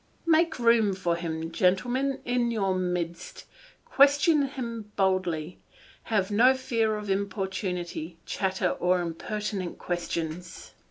Make room for him, gentlemen, in your midst; question him boldly; have no fear of importunity, chatter, or impertinent questions.